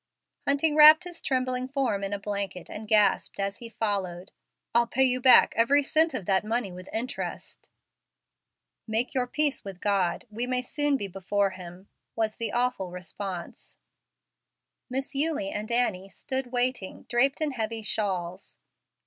Hunting wrapped his trembling form in a blanket and gasped, as he followed, "I'll pay you back every cent of that money with interest." "Make your peace with God. We may soon be before Him," was the awful response. Miss Eulie and Annie stood waiting, draped in heavy shawls.